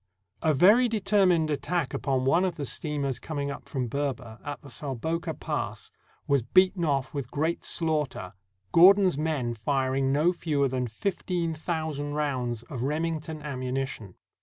A very determined attack upon one of the steamers coming up from Berber, at the Salboka Pass, was beaten off with great slaughter, Gordon's men firing no fewer than fifteen thousand rounds of Remington ammuni tion.